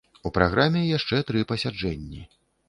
У праграме яшчэ тры пасяджэнні.